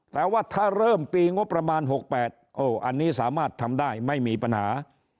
แต่ว่าถ้าเริ่มปีงบประมาณ๖๘อันนี้สามารถทำได้ไม่มีปัญหา